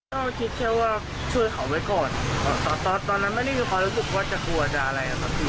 ก็คิดแค่ว่าช่วยเขาไว้ก่อนตอนตอนนั้นไม่ได้มีความรู้สึกว่าจะกลัวจะอะไรนะครับพี่